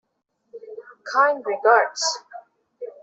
Kind regards.